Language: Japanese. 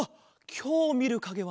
きょうみるかげはな